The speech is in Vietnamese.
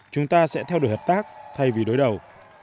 chúng ta sẽ theo đuổi hợp tác thay vì đối đầu